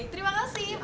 terima kasih bu bapak